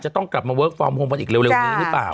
จะต้องกลับมาเวิร์คฟอร์มโฮมกันอีกเร็วนี้หรือเปล่า